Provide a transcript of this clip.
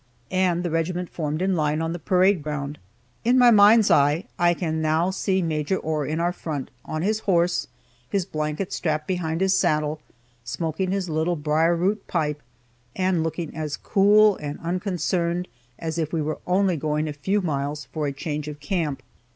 and the regiment formed in line on the parade ground. In my "mind's eye" I can now see Major Ohr in our front, on his horse, his blanket strapped behind his saddle, smoking his little briar root pipe, and looking as cool and unconcerned as if we were only going a few miles for a change of camp.